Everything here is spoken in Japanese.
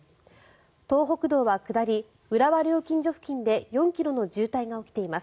東北道は下り、浦和料金所付近で４ｋｍの渋滞が起きています。